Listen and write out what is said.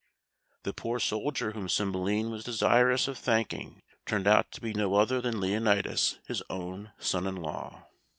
The poor soldier whom Cymbeline was desirous of thanking turned out to be no other than Leonatus, his own son in law.